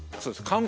そうです